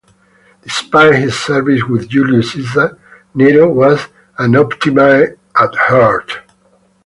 Despite his service with Julius Caesar, Nero was an Optimate at heart.